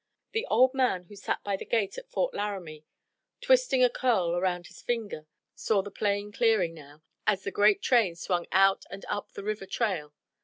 The old man who sat by the gate at Fort Laramie, twisting a curl around his finger, saw the plain clearing now, as the great train swung out and up the river trail.